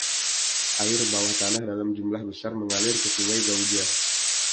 Air bawah tanah dalam jumlah besar mengalir ke Sungai Gauja.